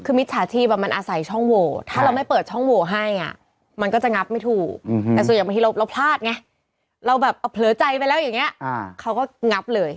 คือมิจฉาชีพมันอาศัยช่องโหวถ้าเราไม่เปิดช่องโหวให้มันก็จะงับไม่ถูกแต่ส่วนอย่างบางทีเราพลาดไงเราแบบเผลอใจไปแล้วอย่างนี้เขาก็งับเลย